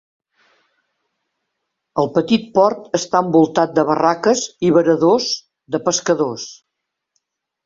El petit port està envoltat de barraques i varadors de pescadors.